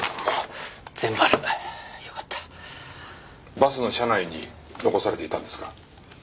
バスの車内に残されていたんですか？